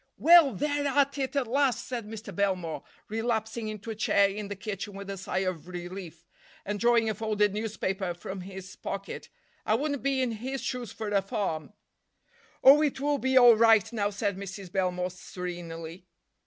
"Well, they're at it, at last," said Mr. Belmore, relapsing into a chair in the kitchen with a sigh of relief, and drawing a folded newspaper from his pocket. "I wouldn't be in his shoes for a farm." "Oh, it will be all right now," said Mrs. Belmore serenely.